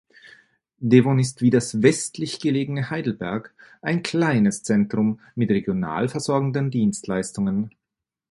Devon ist wie das westlich gelegene Heidelberg ein kleines Zentrum mit regional versorgenden Dienstleistungen.